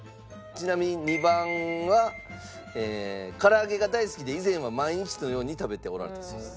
ちなみに２番は唐揚げが大好きで以前は毎日のように食べておられたそうです。